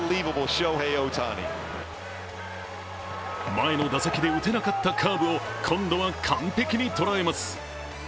前の打席で打てなかったカーブを今度は完璧に捉えます。